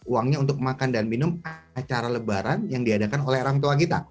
uangnya untuk makan dan minum acara lebaran yang diadakan oleh orang tua kita